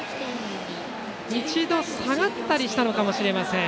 一度、下がったりしたのかもしれません。